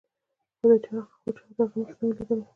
خو چا د هغه مخ نه و لیدلی.